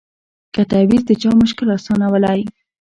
که تعویذ د چا مشکل آسانولای